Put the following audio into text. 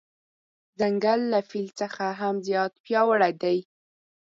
ځنګل له فیل څخه هم زیات پیاوړی دی.